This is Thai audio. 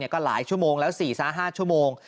ก็หลายชั่วโมงแล้ว๔๕ชั่วโมง